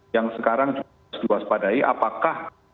yang sekarang juga harus diwaspadai apakah